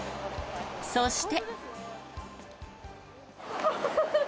そして。